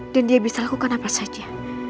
dan dia bisa lakukan apa saja